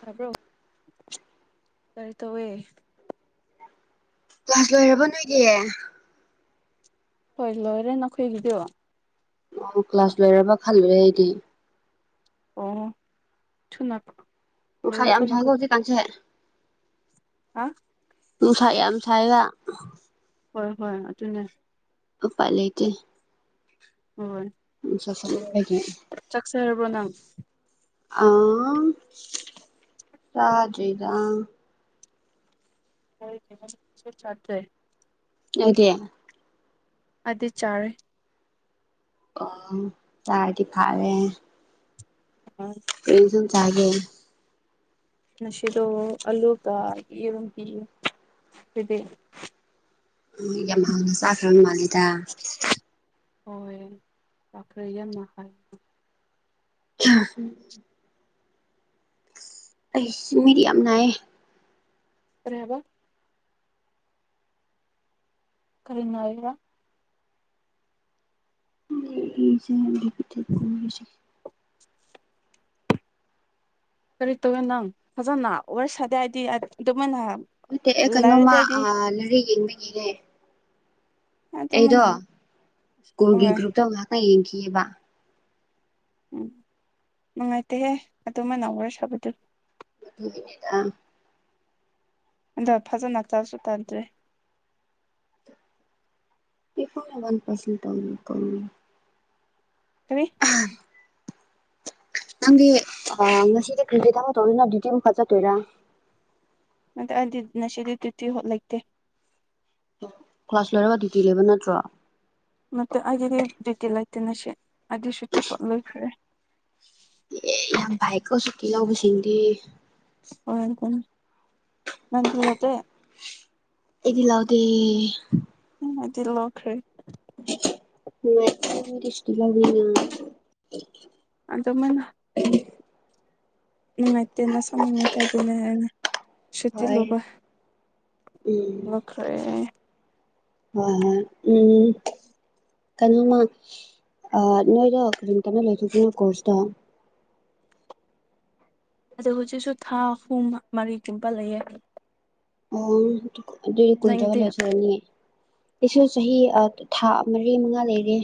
ꯇꯥꯕ꯭ꯔꯣ ꯀꯔꯤ ꯇꯧꯋꯦ ꯀ꯭ꯂꯥꯁ ꯂꯣꯏꯔꯕ ꯅꯣꯏꯒꯤ ꯍꯣꯏ ꯂꯣꯏꯔꯦ ꯅꯈꯣꯏꯒꯤꯗꯨ ꯑꯣ ꯀ꯭ꯂꯥꯁ ꯂꯣꯏꯔꯕ ꯈꯜꯂꯨꯔꯦ ꯑꯩꯗꯤ ꯑꯣ ꯑꯣ ꯊꯨꯅ ꯅꯨꯡꯁꯥ ꯂꯣꯏꯔꯦꯀꯣ ꯌꯥꯝ ꯁꯥꯏꯀꯣ ꯅꯈꯣꯏ ꯍꯧꯖꯤꯛꯀꯥꯟꯁꯦ ꯍꯥ ꯅꯨꯡꯁꯥ ꯌꯥꯝ ꯁꯥꯌꯦꯕ ꯍꯣꯏ ꯍꯣꯏ ꯑꯗꯨꯅꯦ ꯎꯄꯥꯢ ꯂꯩꯇꯦ ꯍꯣꯏ ꯅꯨꯡꯁꯥ ꯁꯥꯃꯟꯕꯒꯤ ꯆꯥꯛ ꯆꯥꯔꯕ꯭ꯔꯣ ꯅꯪ ꯑꯥ ꯆꯥꯗ꯭ꯔꯤꯗꯥ [unintelligible] ꯅꯣꯢꯗꯤ ꯑꯩꯗꯤ ꯆꯥꯔꯦ꯫ ꯑꯣ ꯆꯥꯔꯗꯤ ꯐꯔꯦ꯫ ꯎꯝ ꯀꯔꯤ ꯏꯟꯁꯥꯡ ꯆꯥꯒꯦ ꯉꯁꯤꯗꯣ ꯑꯂꯨꯒ ꯌꯦꯔꯨꯝ ꯄꯤꯌꯦ ꯅꯣꯏꯗꯤ ꯑꯝ ꯌꯥꯝ ꯍꯥꯎꯅ ꯆꯥꯈ꯭ꯔꯕ ꯃꯥꯜꯂꯤꯗ꯫ ꯍꯣꯏ ꯂꯥꯛꯈ꯭ꯔꯦ ꯌꯥꯝꯅ ꯍꯥꯏ [unintelligible] ꯑꯩꯁꯨ ꯃꯤꯠ ꯌꯥꯝ ꯅꯥꯏꯌꯦ꯫ ꯀꯔꯤ ꯍꯥꯢꯕ ꯀꯔꯤ ꯅꯥꯏꯕꯥ [unintelligible] ꯀꯔꯤ ꯇꯧꯋꯦ ꯅꯪ ꯐꯖꯅ ꯋꯥꯔꯤ ꯁꯥꯗꯦ ꯍꯥꯏꯗꯤ ꯑꯗꯨꯃꯥꯏꯅ ꯅꯠꯇꯦ ꯑꯦ ꯂꯥꯏꯔꯗꯤ ꯀꯩꯅꯣꯃ ꯑꯩꯗꯤ ꯑ ꯂꯥꯢꯔꯤꯛ ꯌꯦꯡꯕꯒꯤꯅꯦ꯫ ꯑꯩꯗꯣ ꯑꯗꯨꯃꯥꯏꯅ ꯁ꯭ꯀꯨꯜꯒꯤ ꯍꯣꯏ ꯒ꯭ꯔꯨꯞꯇ ꯉꯥꯛꯗ ꯌꯦꯡꯈꯤꯕ꯫ ꯎꯝ ꯅꯨꯡꯉꯥꯏꯇꯦꯍꯦ ꯑꯗꯨꯃꯥꯏꯅ ꯋꯥꯔꯤ ꯁꯥꯕꯗꯨ꯫ ꯑꯗꯨꯒꯤꯅꯤꯗ ꯑꯗꯣ ꯐꯖꯅ ꯇꯧꯁꯤꯒꯣ ꯑꯗꯨꯗꯤ [unintelligible] [unintelligible] [unintelligible] ꯄꯔꯁꯦꯟ ꯇꯧꯅꯤ ꯀꯧꯅꯤ ꯀꯔꯤ ꯎ [unintelligible] ꯅꯪꯗꯤ ꯉꯁꯤ ꯀ꯭ꯔꯤ ꯀ꯭ꯔꯤ ꯊꯕꯛ ꯇꯧꯅꯤꯅ ꯗ꯭ꯌꯨꯇꯤ ꯑꯃꯨꯛ ꯐꯠ ꯆꯠꯇꯣꯏꯔꯥ ꯅꯠꯇꯦ ꯑꯦ ꯉꯁꯤꯗꯤ ꯗꯌ꯭ꯨꯇꯤ ꯍꯣꯢ ꯂꯩꯇꯦ ꯀ꯭ꯂꯥꯁ ꯂꯣꯏꯔꯒ ꯗ꯭ꯌꯨꯇꯤ ꯂꯩꯕ ꯅꯠꯇ꯭ꯔꯣ ꯅꯠꯇꯦ ꯑꯩꯒꯤꯗꯤ ꯗ꯭ꯌꯨꯇꯤ ꯂꯩꯇꯦ ꯉꯁꯤ ꯑꯩꯗꯤ ꯁꯨꯇꯤ ꯄꯥꯛ ꯂꯣꯢꯈ꯭ꯔꯦ ꯑꯦ ꯌꯥꯝ ꯐꯩꯒꯣ ꯁꯨꯇꯤ ꯂꯧꯕꯁꯤꯡꯗꯤ ꯍꯣꯔꯦꯟ ꯀꯣꯟꯅ ꯅꯪꯗꯤ ꯅꯠꯇꯦ ꯑꯩꯗꯤ ꯂꯥꯛꯇꯦ ꯎꯝ ꯑꯗꯧꯗꯤ ꯂꯧꯈ꯭ꯔꯦ ꯃ ꯏꯁ ꯂꯅ [unintelligible] [unintelligible] ꯑꯗꯨꯃꯥꯢꯅ ꯅꯨꯡꯉꯥꯏꯇꯦ ꯅꯁꯥ ꯅꯨꯡꯉꯥꯏꯇꯦ ꯑꯗꯨꯅꯦ [unintelligible] ꯁꯨꯇꯤ ꯍꯣꯏ ꯂꯧꯕ ꯂꯧꯈ꯭ꯔꯦ ꯍꯣꯢ ꯍꯣꯢ ꯎꯝ ꯀꯩꯅꯣꯃ ꯑꯥ ꯅꯣꯏꯗꯣ ꯀꯔꯤ ꯃꯇꯝꯗ ꯂꯣꯢꯗꯨꯢꯅꯣ ꯀꯣꯔꯁꯇꯣ ꯑꯗꯣ ꯍꯧꯖꯤꯛꯁꯨ ꯊꯥ ꯑꯍꯨꯝ ꯃꯔꯤꯒꯨꯝꯕ ꯂꯩꯌꯦ ꯑꯣ ꯑꯗꯨꯗꯤ ꯀꯨꯏꯗꯅ ꯅꯪꯒꯤꯗꯤ ꯑꯣ ꯂꯣꯏꯁꯥꯜꯂꯅꯤ ꯑꯩꯁꯨ ꯆꯍꯤ ꯑꯥ ꯊꯥ ꯃꯔꯤ ꯃꯉꯥ ꯂꯩꯔꯤ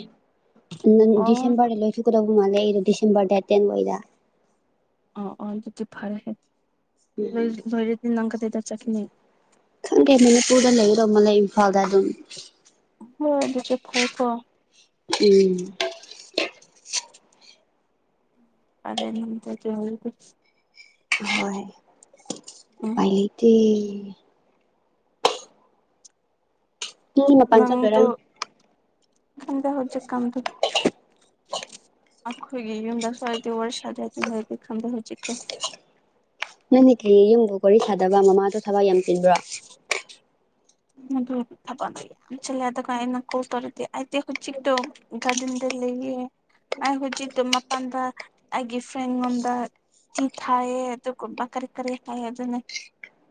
ꯅꯪ ꯑꯣ ꯗꯤꯁꯦꯝꯕꯔꯗ ꯂꯣꯏ ꯀ ꯗꯧ ꯃꯥꯜꯂꯦ ꯑꯩꯗꯤ ꯗꯤꯁꯦꯝꯕꯔ ꯗꯦꯠ ꯇꯦꯟ ꯋꯥꯢꯗ ꯑꯣ ꯑꯣ ꯑꯗꯨꯗꯤ ꯐꯔꯦ ꯎꯝ ꯂꯣꯢꯔꯗꯤ ꯅꯪ ꯀꯗꯥꯢꯗ ꯆꯠꯒꯅꯤ ꯈꯪꯗꯦ ꯃꯅꯤꯄꯨꯔꯗ ꯂꯩꯒꯗꯧ ꯃꯜꯂꯦ ꯏꯝꯐꯥꯜꯗ ꯑꯗꯨꯝ ꯍꯣꯢ ꯑꯗꯨꯁꯨ ꯐꯩꯒꯣ [unintelligible] ꯐꯥꯔꯦ ꯅꯪ ꯆꯠꯆꯍꯧꯔꯤꯗꯨ ꯑꯍꯣꯏ ꯎꯝ ꯂꯩꯇꯦ [unintelligible] ꯆꯠꯇꯣꯏꯔꯥ ꯅꯪꯇꯣ ꯈꯪꯗꯦ ꯍꯧꯖꯤꯛꯀꯥꯟꯗꯨ ꯑꯈꯣꯏꯒꯤ ꯌꯨꯝꯗ ꯁ꯭ꯋꯥꯏꯗꯤ ꯋꯥꯔꯤ ꯁꯥꯗ ꯑꯗꯨꯅꯗꯤ ꯈꯪꯗꯦ ꯍꯧꯖꯤꯛꯇꯣ ꯅꯪꯅꯤ ꯀꯔꯤ ꯌꯨꯝꯕꯨ ꯋꯥꯔꯤ ꯁꯥꯗꯕ ꯃꯃꯥꯗꯣ ꯊꯕꯛ ꯌꯥꯝ ꯆꯤꯟꯕ꯭ꯔꯣ ꯏꯃꯥꯗꯣ ꯊꯕꯛꯁꯦ ꯌꯥꯝ ꯆꯤꯜꯂꯦ ꯗꯨꯒ ꯑꯩꯅ ꯀꯣꯜ ꯇꯧꯔꯗꯤ ꯑꯩꯗꯤ ꯍꯨꯆꯤꯛꯇꯣ ꯒꯥꯔꯗꯦꯟꯗ ꯂꯩꯌꯦ ꯑꯩ ꯍꯨꯖꯤꯛꯇꯣ ꯃꯄꯥꯟꯗ ꯑꯩꯒꯤ ꯐ꯭ꯔꯦꯟ ꯉꯣꯟꯗ ꯆꯤ ꯊꯥꯏꯌꯦ ꯗꯨꯒꯨꯝꯕ ꯀꯔꯤ ꯀꯔꯤ ꯍꯥꯏꯌꯦ ꯑꯗꯨꯅꯦ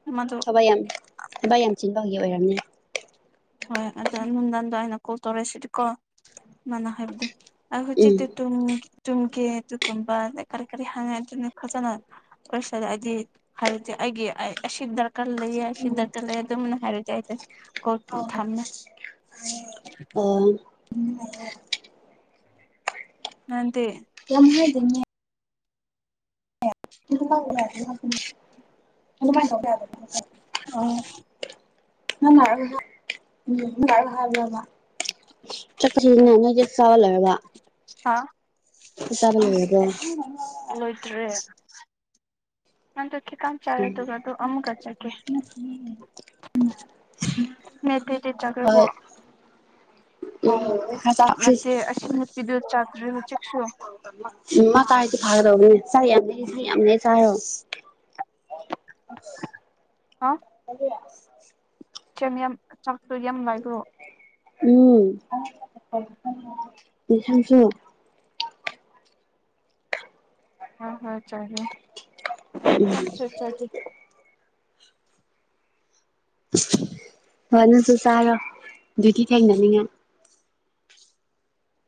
ꯏꯃꯥꯗꯣ ꯊꯕꯛ ꯌꯥꯝ ꯊꯕꯛ ꯌꯥꯝ ꯆꯤꯟꯕꯒꯤ ꯑꯣꯏꯔꯝꯅꯤ ꯍꯣꯏ ꯑꯗꯣ ꯅꯨꯟꯗꯥꯡꯗ ꯑꯩꯅ ꯀꯣꯜ ꯇꯧꯔꯦꯁꯤꯗꯤꯀꯣ ꯃꯥꯅ ꯍꯥꯏꯕꯗꯨ ꯑꯩ ꯎꯝ ꯍꯨꯆꯤꯛꯇꯤ ꯇꯨꯝ ꯇꯨꯝꯀꯦ ꯇꯨꯀꯨꯝꯕ ꯀꯔꯤ ꯀꯔꯤ ꯍꯪꯉꯦ ꯑꯗꯨꯅꯦ ꯐꯖꯅ ꯑꯣꯏꯁꯜꯂꯑꯗꯤ ꯍꯥꯏꯔꯗꯤ ꯑꯩꯒꯤ ꯑꯩ ꯑꯁꯤꯗ ꯀꯜ ꯂꯩꯌꯦ ꯑꯁꯤꯗ ꯀꯜꯂꯦ ꯑꯗꯨꯝꯅ ꯍꯥꯏꯔꯗꯤ [unintelligible] ꯀꯣꯜ ꯑꯣ ꯍꯣ ꯊꯝꯃꯦ ꯇꯥꯏꯌꯦ ꯑꯣ [unintelligible] ꯅꯪꯗꯤ ꯂꯝꯍꯥꯏꯗꯩꯅꯦ [unintelligible] ꯑꯗꯨꯃꯥꯏꯟ ꯇꯧꯕ ꯌꯥꯕ ꯊꯕꯛꯂ ꯑꯣ [unintelligible] ꯆꯠꯇꯔꯤꯅꯦ ꯅꯣꯏꯒꯤ ꯆꯥꯕ ꯂꯣꯏꯔꯕꯣ ꯍꯥꯥ ꯆꯥꯛ ꯆꯥꯕ ꯂꯣꯏꯔꯕ꯭ꯔꯣ ꯂꯣꯏꯗ꯭ꯔꯦ ꯅꯪꯇꯣ ꯈꯤꯇꯪ ꯆꯥꯔꯣ ꯎꯝ ꯗꯨꯒꯗꯨ ꯑꯃꯨꯛꯀ ꯆꯀꯦ ꯅꯦꯠ ꯀꯩꯀꯩ ꯆꯒ꯭ꯔꯕꯣ ꯍꯣꯏ ꯑꯣ ꯎꯝ ꯈꯔ ꯆꯥꯈ꯭ꯔꯤ ꯅꯠꯇꯦ ꯑꯁꯤ ꯅꯨꯄꯤꯗꯨ ꯆꯥꯛꯇ꯭ꯔꯤ ꯍꯨꯆꯤꯛꯁꯨ ꯃꯥ ꯆꯥꯔꯗꯤ ꯐꯥꯒꯗꯧꯕꯅꯦ ꯆꯥꯛ ꯌꯥꯝ ꯂꯩ ꯆꯥꯛ ꯌꯥꯝ ꯂꯩ ꯆꯥꯏꯌꯣ ꯑ [unintelligible] ꯆꯪ ꯌꯥꯝ ꯆꯥꯛꯇꯨ ꯌꯥꯝ ꯂꯩꯕ꯭ꯔꯣ ꯎꯝ ꯑꯦꯁꯥꯡꯁꯨ ꯑ ꯍꯣꯏ ꯆꯥꯒꯦ ꯎꯝ [unintelligible] ꯍꯣꯏ ꯅꯪꯁꯨ ꯆꯥꯔꯣ ꯗ꯭ꯌꯨꯇꯤ ꯊꯦꯡꯅꯅꯤꯉꯥꯏ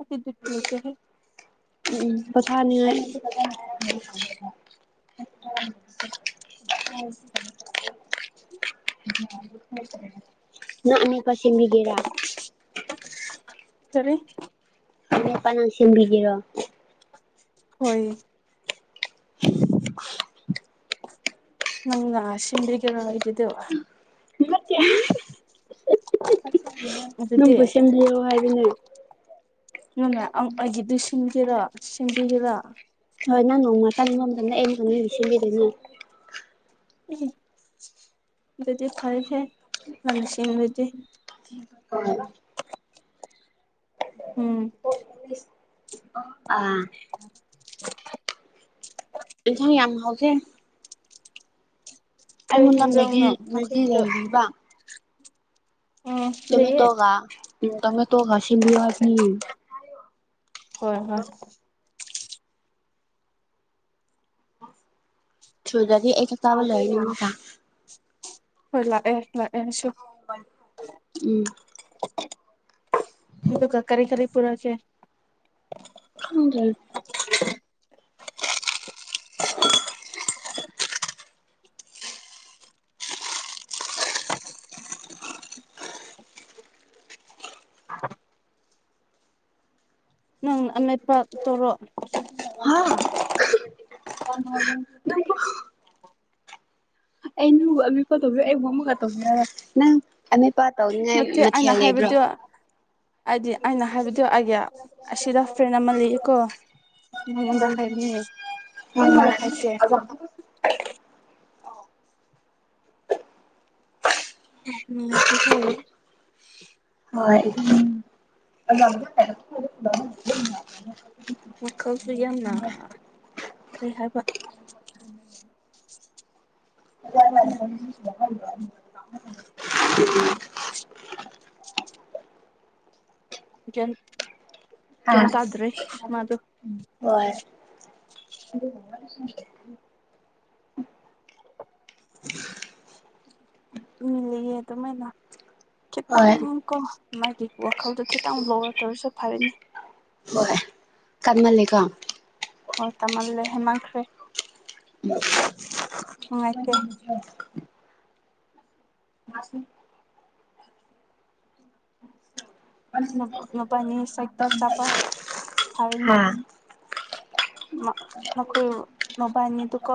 ꯑꯇꯨꯗꯤꯠ ꯄꯨꯁꯦꯍꯦ ꯎꯝ ꯄꯣꯊꯥꯅꯤꯉꯥꯏ [unintelligible] [unintelligible] ꯅꯪ ꯑꯃꯨꯛꯀ ꯁꯤꯟꯕꯤꯒꯦꯔꯥ ꯀꯔꯤ ꯄꯥꯏꯅꯦꯄꯟ ꯁꯦꯝꯕꯤꯒꯦꯔꯣ ꯍꯣꯏꯌꯦ [inaudible] ꯅꯪꯅ ꯁꯤꯟꯕꯤꯒꯦꯔꯣ ꯑꯩꯒꯤꯗꯣ ꯅꯠꯇꯦ ꯑꯗꯨꯗꯤ ꯅꯪꯕꯨ ꯁꯦꯝꯕꯤꯌꯣ ꯍꯥꯏꯕꯅꯦ ꯅꯪꯅ ꯑꯪ ꯑꯩꯒꯤꯗꯨ ꯁꯤꯟꯒꯦꯔꯥ ꯁꯤꯟꯕꯤꯒꯦꯔꯥ ꯍꯣꯏ ꯅꯪ ꯅꯣꯡꯃꯇꯪ [unintelligible] ꯑꯗꯨꯗꯤ ꯐꯔꯦꯁꯦ ꯂꯝꯁꯤꯜꯂꯖꯤ [unintelligible] ꯎꯝ ꯑꯥ [unintelligible] ꯏꯟꯁꯥꯡ ꯌꯥꯝ ꯍꯥꯎꯖꯩ ꯀꯔꯤ ꯑꯩꯉꯣꯟꯗ ꯃꯦꯒꯤ ꯍꯦꯟꯖꯥꯡꯅꯣ ꯃꯦꯒꯤ ꯅꯈꯣꯏꯒꯤꯗꯣ ꯂꯩꯔꯤꯕ ꯎꯝ ꯂꯩꯌꯦ ꯇꯣꯃꯦꯇꯣꯒ ꯎ ꯇꯣꯃꯦꯇꯣꯒ ꯁꯤꯝꯕꯤꯌꯨ ꯍꯥꯏꯕꯅꯤ ꯍꯣꯏ ꯍꯣꯏ ꯁꯨꯗꯗꯤ ꯑꯩ ꯆꯥꯛ ꯆꯥꯕ ꯂꯣꯢꯔꯅꯤ ꯑꯃꯨꯛꯀ ꯍꯣꯏ ꯂꯥꯛꯑꯦ ꯂꯥꯛꯑꯦꯁꯨ ꯎꯝ ꯑꯗꯨꯒ ꯀꯔꯤ ꯀꯔꯤ ꯄꯨꯔꯛ ꯆꯦ ꯈꯪꯗ꯭ꯔꯦ ꯅꯪ ꯑꯃꯦꯠꯄ ꯇꯣꯔꯣ [unintelligible] ꯑꯩꯩ ꯅꯪꯕꯨ ꯑꯃꯤꯄ ꯇꯧꯖꯩ ꯑꯩ [unintelligible] ꯑꯃꯦꯠꯄ ꯇꯧꯅꯤꯡꯉꯥꯏ ꯃꯊꯦꯜ ꯂꯩꯕ꯭ꯔꯣ ꯑꯥꯏꯗꯤ ꯑꯩꯅ ꯍꯥꯏꯕꯗꯣ ꯑꯩꯗꯤ ꯑꯁꯤꯗ ꯐ꯭ꯔꯦꯟ ꯑꯃ ꯂꯩꯌꯦꯀꯣ ꯁꯤ ꯅꯪꯉꯣꯟꯗ ꯍꯥꯏꯕꯅꯦ ꯅꯪꯉꯣꯟꯗ ꯍꯥꯏꯁꯦ [unintelligible] ꯑꯦ ꯅꯨꯪꯉꯥꯏꯇꯦ [unintelligible] ꯍꯣꯏ ꯎꯝ [unintelligible] ꯋꯥꯈꯜꯁꯨ ꯌꯥꯝꯅ ꯀꯔꯤ ꯍꯥꯏꯕ [inaudible] ꯀ꯭ꯌꯤꯝ ꯀꯩꯝ ꯇꯥꯗ꯭ꯔꯤ ꯃꯥꯗꯨ ꯋꯣꯏ ꯎꯝ ꯂꯩꯌꯦ ꯑꯗꯨꯃꯥꯏꯅ ꯈꯤꯇꯪ ꯍꯣꯏ ꯀꯣ ꯃꯥꯒꯤ ꯋꯥꯈꯜꯗꯣ ꯈꯤꯇꯪ ꯂꯣꯋꯔ ꯇꯧꯔꯁꯨ ꯐꯔꯅꯤ ꯍꯣꯏ ꯀꯟꯃꯜꯂꯤꯀꯣ ꯑꯣ ꯇꯝꯃꯜꯂꯦ ꯍꯦꯟꯃꯟꯈ꯭ꯔꯦ ꯅꯨꯡꯉꯥꯏꯇꯦ [inaudible] ꯅꯨ ꯅꯨꯄꯥꯟꯒꯤ ꯁꯥꯏꯠꯇ ꯆꯥꯄ ꯍꯥꯔꯅꯤ ꯃ ꯃꯈꯣꯏ ꯃꯕꯥꯏꯅꯤꯗꯨꯀꯣ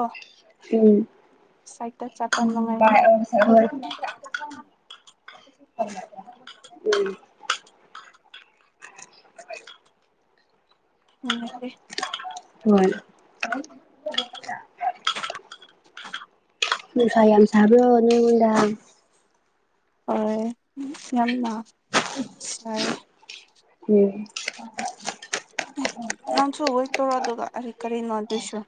ꯆꯠꯄ ꯅꯨꯡꯉꯥꯏꯅꯤ [inaudible] [inaudible] ꯅꯪ [unintelligible] ꯍꯣꯏ ꯅꯨꯡꯁꯥ ꯌꯥꯝ ꯁꯥꯕ꯭ꯔꯣ ꯅꯣꯏꯉꯣꯟꯗ ꯑꯩꯅꯅꯦ ꯌꯥꯝꯅ ꯁꯥꯏꯌꯦ ꯎꯝ ꯅꯥꯟꯁꯨ ꯍꯣꯏ ꯇꯧꯔꯣ ꯑꯗꯨꯒ ꯑꯔꯤ ꯀꯔꯤ ꯅꯣꯗꯁꯨꯣ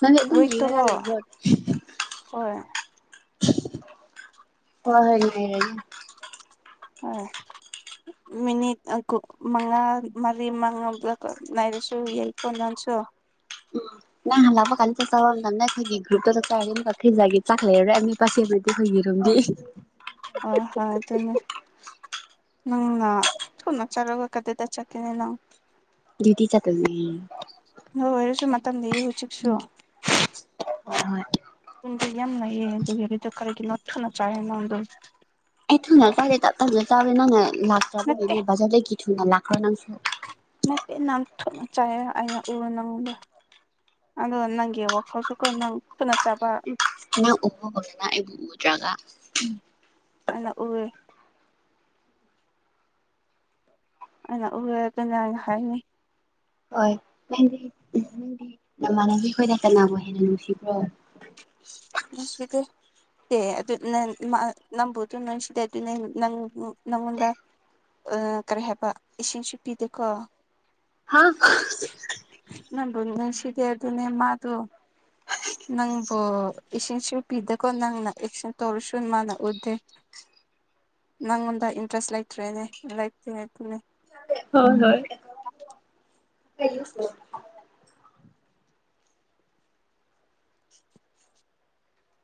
ꯅꯪꯗꯤ ꯑꯗꯨꯝ ꯏ ꯇ ꯀꯣ ꯌꯦꯡꯔꯒ ꯂꯩꯕ꯭ꯔꯣ ꯍꯣꯏ ꯑꯣ ꯍꯏ ꯍꯣꯏ ꯃꯤꯅꯤꯠ ꯃꯉꯥ ꯃꯔꯤ ꯃꯉꯥ ꯂꯩꯔꯁꯨ ꯌꯦ ꯀꯣꯟꯅꯁꯨ ꯅ ꯍꯜ ꯂꯕꯣ ꯀꯟ ꯆꯥꯛ ꯆꯥꯕꯥ ꯉꯅꯕꯦ ꯈꯣꯏꯒꯏ ꯒꯔꯨꯞꯇ ꯆꯥꯛ ꯆꯥꯕꯥ ꯑꯃꯣꯛꯀꯥ ꯀ ꯊꯖꯒꯦ ꯆꯥꯛꯂ ꯂꯩꯔꯦ [unintelligible] ꯐꯣꯏꯒ ꯔꯨꯟꯗꯤ [unintelligible] ꯑꯣ ꯍ ꯑꯗꯨꯅꯦ ꯅꯪꯅꯥ ꯊꯨꯅꯥ ꯆꯔꯒ ꯀꯗꯗ ꯆꯀꯤꯍꯥꯏꯅꯣ ꯗꯌꯨꯇꯤ ꯆ ꯇ ꯅꯣꯏ ꯑꯣꯏꯔꯁꯨ ꯃꯇꯝ ꯍꯧꯖꯤꯛꯁꯨ ꯍꯣꯏ ꯍꯣꯏ ꯄꯨꯪꯗꯣ ꯌꯥꯝ ꯂꯩꯑꯌꯦ ꯑꯗꯨꯒꯤ ꯑꯗꯨꯗ ꯀꯔꯤꯒꯤꯅꯣ ꯊꯅ ꯆꯥꯏꯦ ꯅꯥꯪꯗꯣ ꯑꯦ ꯊꯨꯅ ꯆꯥꯗꯦ ꯇꯞ ꯇꯥꯟꯁꯨ ꯆꯥꯕꯔꯦ ꯅꯪꯅ ꯅꯠꯇꯦ ꯂꯥꯛꯇ꯭ꯔꯕꯅꯦꯅꯦ ꯕꯖꯔꯗꯒꯤ ꯊꯨꯅ ꯂꯥꯛꯈ꯭ꯔꯣ ꯅꯪꯁꯨ ꯅꯠꯇ ꯅꯅꯥꯝꯊꯅ ꯆꯥ ꯑꯩꯅ ꯎꯔ ꯅꯉꯗ ꯑꯗ ꯅꯪꯒꯤ ꯋꯥꯈꯜꯁꯨꯀꯣ ꯅꯪ ꯊꯨꯅꯥ ꯆꯥꯕ ꯅꯡ ꯎꯕ ꯑꯩꯕꯨ ꯌꯗꯔꯒ ꯑꯩꯅꯥ ꯎꯋꯦ ꯑꯩꯅ ꯎꯔ ꯀꯅꯥꯏꯅ ꯍꯥꯏꯅꯤ ꯍꯣꯏ ꯅꯪꯗꯤ ꯎ ꯅꯪꯗꯤ ꯅꯃꯥꯟꯅꯕꯤꯈꯣꯏꯅ ꯀꯅꯥꯕꯨ ꯍꯦꯟꯅ ꯅꯨꯡꯁꯤꯕ꯭ꯔꯣ ꯅꯨꯪꯁꯤꯗꯦ ꯑꯦ ꯑꯗꯨ ꯅ ꯅꯕꯨꯗꯨ ꯅꯅꯨꯡꯁꯤꯗꯦ ꯑꯗꯨ ꯅꯪ ꯅꯪꯉꯣꯟꯗ ꯀꯔꯤ ꯍꯥꯏꯕ ꯏꯁꯤꯡꯁꯨ ꯄꯤꯗꯦꯀꯣ ꯍ ꯅꯪꯕꯨ ꯅꯨꯡꯁꯤꯗꯦ ꯑꯗꯨꯅꯦ ꯃꯥꯗꯨ ꯅꯪꯕꯨ ꯏꯁꯤꯡ ꯁꯨ ꯄꯤꯗꯦꯀꯣ ꯅꯪꯅ ꯑꯆꯇꯣꯟ ꯇꯔ꯭ꯁꯨ ꯃꯅꯥ ꯎꯗꯦ ꯅꯪꯉꯣꯟꯗ ꯏꯟꯇ꯭ꯔꯦꯁ ꯂꯩꯇ꯭ꯔꯦꯅꯦ ꯂꯥꯏꯔꯤ ꯍꯣꯏ ꯍꯣꯏ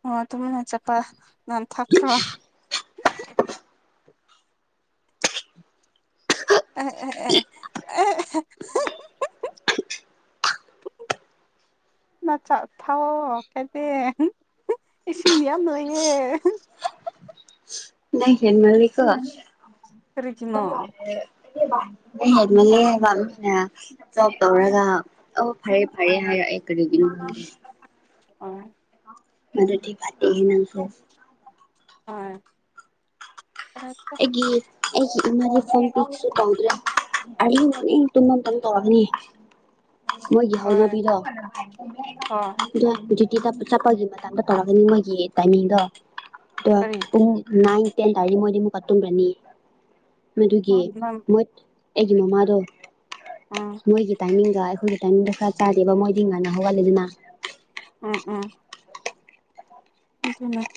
ꯑꯣ ꯑꯗꯨ ꯅꯥꯏꯟ ꯆꯠꯄ ꯅꯑꯥꯜ ꯊꯥꯛꯈꯔꯣ [unintelligible] ꯑ [unintelligible] ꯅ ꯆ ꯊꯑꯣꯣ ꯀꯔꯤ ꯏꯁꯤꯡ ꯃꯤꯌꯥꯝ ꯂꯩꯌꯦ ꯅꯡ ꯍꯦꯟꯃꯟꯂꯦ ꯀꯣ ꯀꯔꯤꯒꯤꯅꯣ ꯍꯦ ꯃꯜꯝ ꯍꯥꯌꯕ ꯃꯦꯅ [unintelligible] ꯇꯧꯔꯒ ꯑꯣ ꯐꯔꯦ ꯐꯔꯦ ꯍꯥꯏꯔꯛꯑꯦ ꯀꯔꯤꯒꯤꯅꯣꯦ ꯑꯣ ꯃꯔꯗꯤ ꯐꯥꯇꯍꯦ ꯅꯡ ꯁꯨ ꯑꯣꯏ ꯑꯩꯒꯤ ꯑꯩꯒꯤ ꯏꯃꯥꯒꯤ ꯐꯜ ꯄꯤꯛꯁꯨ ꯇꯧꯗ꯭ꯔꯦ ꯑꯅꯤ ꯍꯅꯤ ꯇꯨꯅ ꯇꯧꯔꯒꯅꯤ ꯃꯣꯌꯒꯤ ꯍꯣꯏ ꯍꯧꯅꯕꯤꯗꯣ ꯍꯣꯏ ꯑꯗꯣ ꯗꯦꯎꯇꯦ ꯆꯠꯄꯒꯤ ꯃꯇꯥꯡꯗ ꯇꯧꯔꯛꯒꯅꯤ ꯃꯣꯏꯒꯤ ꯇꯥꯏꯃꯤꯡꯗꯣ ꯑꯗ ꯀꯔꯤ ꯄꯨꯡ ꯅꯥꯏꯟ ꯇꯦꯟ ꯇꯥꯔꯗꯤ ꯃꯣꯏꯗꯤ ꯑꯃꯨꯛꯀꯠꯇꯨꯝꯕꯅꯤ ꯃꯗꯨꯒꯤ ꯅꯪ ꯃꯣꯏ ꯑꯩꯒꯤ ꯃꯃꯥꯗꯣ ꯎꯝ ꯃꯣꯏꯒꯤ ꯇꯥꯏꯃꯤꯡꯒ ꯑꯩꯈꯣꯏꯒꯤ ꯇꯥꯏꯃꯤꯡꯒ ꯈꯔ ꯆꯥꯗꯦꯕ ꯃꯣꯏꯗꯤ ꯉꯥꯟꯅ ꯍꯧꯒꯠꯂꯤꯗꯅ ꯎꯪ ꯎꯪ ꯃꯤꯠꯇꯨꯝ ꯅꯥꯢ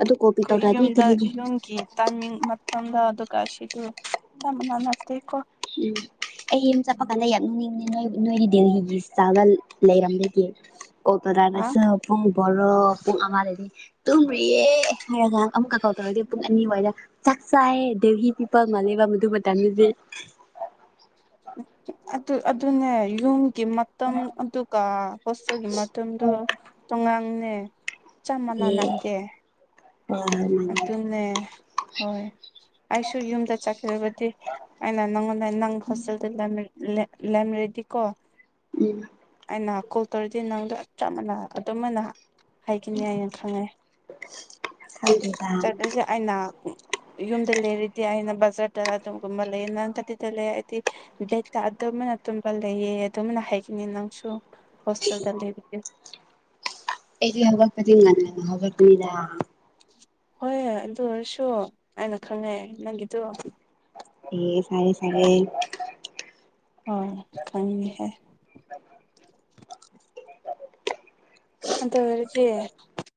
ꯑꯗꯨ ꯀꯣꯜ ꯄꯤꯛ ꯈꯣꯏ ꯇꯧꯗ꯭ꯔꯗꯤ ꯌꯨꯝꯗ ꯀꯔꯤꯒꯤ ꯌꯨꯝꯒꯤ ꯇꯥꯢꯃꯤꯡ ꯃꯇꯝꯒ ꯑꯗꯨꯒ ꯁꯤꯗꯤ ꯆꯞꯃꯥꯟꯅꯕ ꯅꯠꯇꯦꯀꯣ ꯎꯪ ꯑꯩ ꯌꯨꯝꯆꯠꯄ ꯀꯥꯜꯗ ꯌꯥꯝ ꯎꯅꯤꯡꯉꯦ ꯅꯣꯏ ꯅꯣꯏꯗꯤ ꯗꯦꯍꯤꯒꯤ ꯂꯤꯠꯁꯇꯥ ꯂꯩꯔꯝꯕꯒꯤ ꯑꯣ ꯀꯗꯥꯢꯗ ꯑ ꯆꯠꯂꯨꯕ ꯄꯨꯡ ꯚꯥꯔꯣ ꯄꯨꯡ ꯑꯃꯥ ꯗꯗꯤ ꯇꯨꯝꯔꯤꯌꯦ ꯍꯥꯏꯔꯒꯥ ꯑꯃꯨꯛꯀ ꯀꯧꯊꯣꯔꯛꯑꯗꯤ ꯑꯄꯨꯡ ꯑꯅꯤ ꯋꯥꯏꯗ UNINTELLIGIBLE ꯍꯦꯛꯇꯥ ꯑꯗꯨꯅꯦ ꯌꯨꯝꯒꯤ ꯃꯇꯝ ꯑꯗꯨꯒ ꯍꯣꯁꯇꯦꯜꯒꯤ ꯃꯇꯝꯗꯣ ꯇꯣꯉꯥꯜꯂꯦ ꯆꯞ ꯃꯥꯟꯅ ꯑꯦ ꯅꯠꯇꯦ ꯍꯣꯏ ꯃꯥꯅꯦ ꯑꯗꯨꯅꯦ ꯍꯣꯏ ꯑꯩꯁꯨ ꯌꯨꯝꯗ ꯆꯠꯀꯕꯗꯤ ꯑꯩꯅ ꯅꯪꯉꯣꯟꯗ ꯅꯪ ꯍꯣꯁꯇꯦꯜꯗ ꯂꯩꯝ ꯂꯩꯔꯝꯔꯦꯗꯤ ꯀꯣ ꯎꯪ ꯑꯩꯅ ꯀꯣꯜ ꯇꯧꯔꯗꯤ ꯅꯪꯗꯣ ꯆꯞ ꯃꯥꯟꯅ ꯑꯗꯨꯝꯃꯥꯢꯅ ꯍꯥꯏꯈꯤꯅꯤ ꯍꯥꯏꯅ ꯈꯪꯉꯦ ꯈꯪꯗꯧ ꯆꯠꯂꯖꯦ ꯑꯩꯅ ꯌꯨꯝꯗ ꯂꯩꯔꯤꯗꯤ ꯑꯩꯅ ꯕꯖꯔ ꯑꯗꯨꯒꯨꯝꯕ ꯂꯩꯅꯔꯒꯗꯤ ꯇꯜꯂꯦ ꯑꯩꯗꯤ ꯗꯦ ꯑꯗꯨꯃꯥꯏꯅ ꯇꯨꯝꯕ ꯂꯩꯌꯦ ꯑꯗꯨꯃꯥꯏꯅ ꯍꯥꯏꯈꯤꯅꯤ ꯅꯪꯁꯨ ꯍꯣꯁꯇꯦꯜꯗ ꯂꯩꯕꯒꯤ ꯑꯩꯗꯤ ꯍꯧꯒꯠꯄꯗꯤ ꯉꯟꯅ ꯑꯗꯨꯝ ꯍꯧꯒꯠꯄꯅꯤꯗ ꯍꯣꯏ ꯑꯗꯨ ꯑꯣꯏꯔꯁꯨ ꯑꯩꯅ ꯈꯪꯉꯦ ꯅꯪꯒꯤꯗꯣ ꯑꯦ ꯁꯥꯢꯌꯦ ꯁꯥꯢꯌꯦ ꯍꯣ ꯈꯪꯉꯤꯍꯦ ꯑꯗꯨꯑꯣꯢꯔꯗꯤ